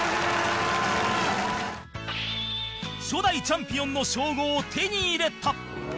初代チャンピオンの称号を手に入れた